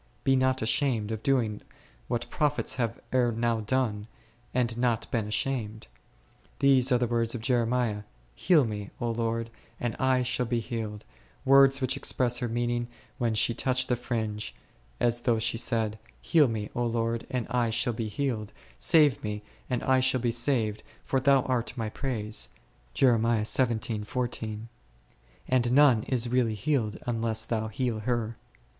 Be not ashamed of doing what prophets have ere now done, and not been ashamed. These are the words of Jeremiah ; Heal me, Lord, and I shall be healed, words which express her meaning when she touched the fringe, as though she said, Heal me, Lord, and I shall be healed : Save me and I shall be saved, for Thou art my praise e ; and none is really healed unless Thou heal her.